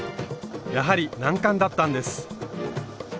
やはり難関だったんです。